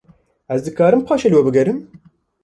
Ez dikarim paşê li we bigerim?